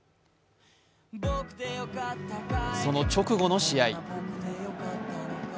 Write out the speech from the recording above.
その直後の試合